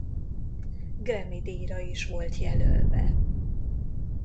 Grammy-díjra is volt jelölve.